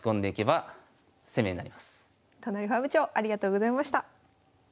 都成ファーム長ありがとうございました。